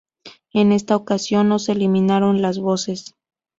En esta ocasión, no se eliminaron las voces.